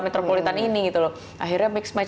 metropolitan ini gitu loh akhirnya mix mind